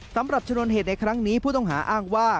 สำหรับชนวนเหตุในครั้งนี้ผู้ต้องหาอ้างว่า